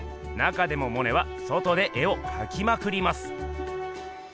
なかでもモネは外で絵をかきまくります。